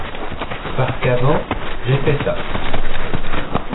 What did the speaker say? Parce qu’avant j’ai fait ça. ..